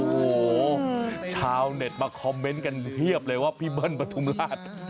โอ้โหชาวเน็ตมาคอมเมนต์กันเพียบเลยว่าพี่เบิ้ลปฐุมราช